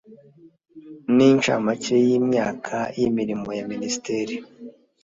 n incamake y imyanya y Imirimo ya Minisiteri